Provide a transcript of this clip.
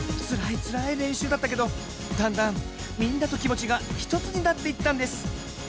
つらいつらいれんしゅうだったけどだんだんみんなときもちがひとつになっていったんです。